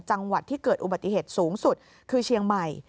จังหวัดที่เกิดอุบัติเหตุสูงสุดคือเชียงใหม่